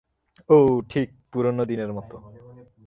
অউ, ঠিক পুরানো দিনের মতো।